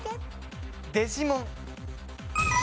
『デジモン』。